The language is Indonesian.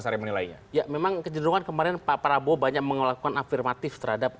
sari menilainya ya memang kecenderungan kemarin pak prabowo banyak mengelakukan afirmatif terhadap